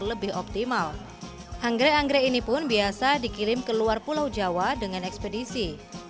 lebih optimal anggrek anggrek ini pun biasa dikirim ke luar pulau jawa dengan ekspedisi